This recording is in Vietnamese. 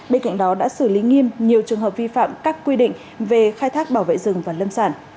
bên cạnh đó đã xử lý nghiêm nhiều trường hợp vi phạm các quy định về khai thác bảo vệ rừng và lâm sản